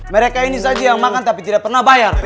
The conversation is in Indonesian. mereka ini saja yang makan tapi tidak pernah bayar